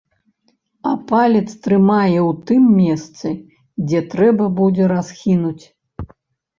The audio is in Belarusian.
А палец трымае ў тым месцы, дзе трэба будзе расхінуць.